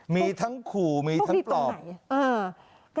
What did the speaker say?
มีทั้งคู่มีทั้งปลอบพวกนี้ตรงไหน